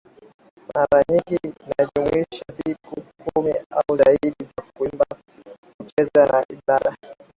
maranyingi inajumuisha siku kumi au zaidi za kuimba kucheza na ibada